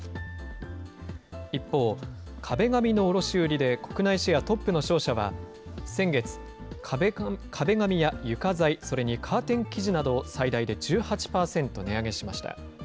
一方、壁紙の卸売りで国内シェアトップの商社は、先月、壁紙や床材、それにカーテン生地などを、最大で１８％値上げしました。